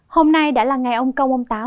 hôm nay đã là ngày ông công ông táo